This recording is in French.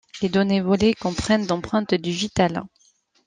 Les données volées comprennent d'empreintes digitales.